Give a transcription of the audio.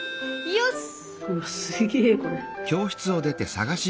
よし！